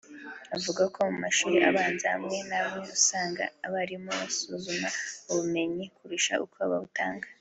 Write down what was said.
avuga ko mu mashuri abanza amwe n’amwe usanga abarimu basuzuma ubumenyi kurusha uko babutanga